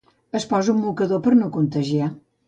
Es posa un mocador per no contagiar.